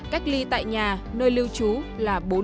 cách ly tại nhà nơi lưu trú là bốn trăm một mươi bốn người